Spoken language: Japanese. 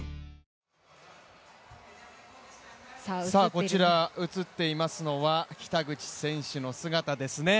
こちら映っていますのは北口選手の姿ですね。